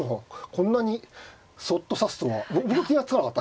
こんなにそっと指すとは僕は気が付かなかった。